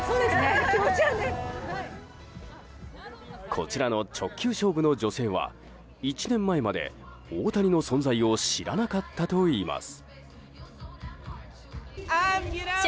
こちらの直球勝負の女性は１年前まで大谷の存在を知らなかったといいます。